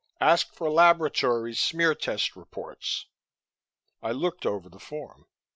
Ask for laboratory smear test reports." I looked over the form.